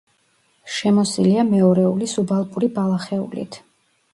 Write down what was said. შემოსილია მეორეული სუბალპური ბალახეულით.